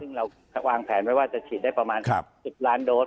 ซึ่งเราวางแผนไว้ว่าจะฉีดได้ประมาณ๑๐ล้านโดส